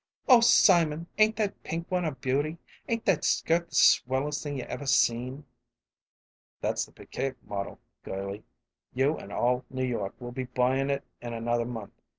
"Oh, Simon, ain't that pink one a beauty! Ain't that skirt the swellest thing you ever seen!" "That's the Piquette model, girlie. You and all New York will be buyin' it in another month.